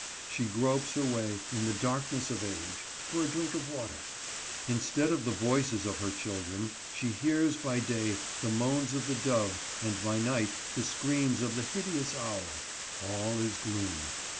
She gropes her way, in the darkness of age, for a drink of water. Instead of the voices of her children, she hears by day the moans of the dove, and by night the screams of the hideous owl. All is gloom.